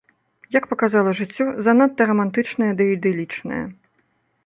Як паказала жыццё, занадта рамантычная ды ідылічная.